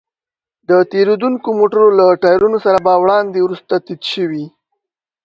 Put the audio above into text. د تېرېدونکو موټرو له ټايرونو سره به وړاندې وروسته تيت شوې.